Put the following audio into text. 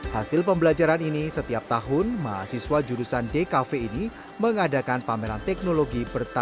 hasil pembelajaran ini setiap tahun mahasiswa jurusan dkv ini mengadakan pameran teknologi pertanian